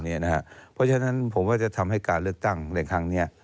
เพราะฉะนั้นผมว่าจะทำให้การเลือกตั้งในครั้งนี้